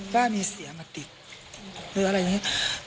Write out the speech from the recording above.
ว่ามีเสียมาติดหรืออะไรอย่างนี้